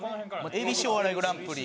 ＡＢＣお笑いグランプリ。